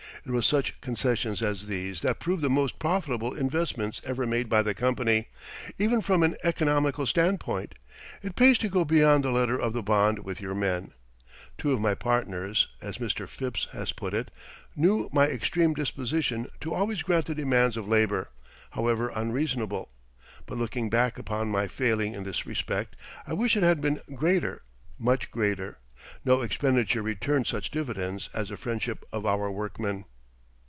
It was such concessions as these that proved the most profitable investments ever made by the company, even from an economical standpoint. It pays to go beyond the letter of the bond with your men. Two of my partners, as Mr. Phipps has put it, "knew my extreme disposition to always grant the demands of labor, however unreasonable," but looking back upon my failing in this respect, I wish it had been greater much greater. No expenditure returned such dividends as the friendship of our workmen.